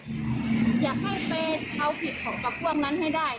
อยากให้ไปเอาผิดเขากับพวกนั้นให้ได้